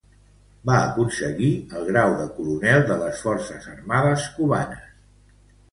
Va aconseguir el grau de coronel de les forces armades cubanes.